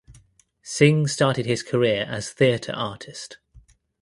Singh started his Career as theater artist.